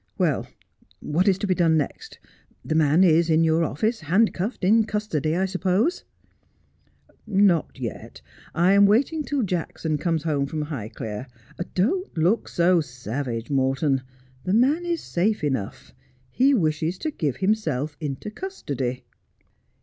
' Well, what is to be done next 1 The man is in your office, handcuffed, in custody, I suppose 1 '' Not yet. I am waiting till Jackson comes home from Highclere. Don't look so savage, Morton. The man is safe enough. He wishes to give himself into custody.'